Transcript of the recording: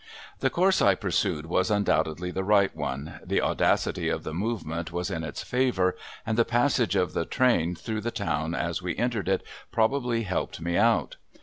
The course I pursued was undoubtedly the right one. The audacity of the movement was in its favor, and the passage of the train through the town as we entered it probably helped me out.